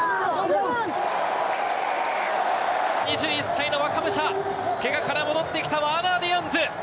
２１歳の若武者、けがから戻ってきた、ワーナー・ディアンズ。